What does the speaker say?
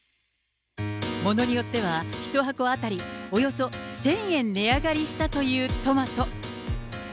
ものによっては、１箱当たりおよそ１０００円値上がりしたというトマト。